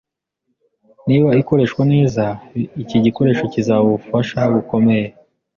Niba ikoreshwa neza, iki gikoresho kizaba ubufasha bukomeye